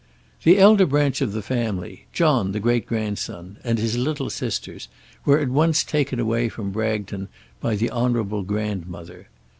The elder branch of the family, John the great grandson, and his little sisters, were at once taken away from Bragton by the honourable grandmother.